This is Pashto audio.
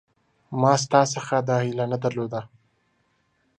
ما ستا څخه دا هیله نه درلوده